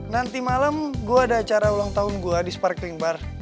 nanti malam gue ada acara ulang tahun gue di sparkling bar